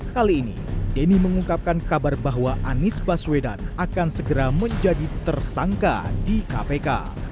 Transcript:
kali ini denny mengungkapkan kabar bahwa anies baswedan akan segera menjadi tersangka di kpk